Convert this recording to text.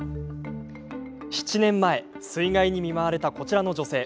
７年前、水害に見舞われたこちらの女性。